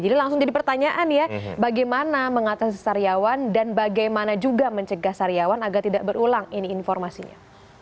jadi langsung jadi pertanyaan ya bagaimana mengatasi saryawan dan bagaimana juga mencegah saryawan agar tidak berulang ini informasinya